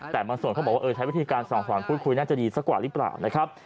แต่บางส่วนเขาบอกว่าใช้วิธีการส่องสอนพูดคุยน่าจะดีสักกว่าหรือเปล่านะครับ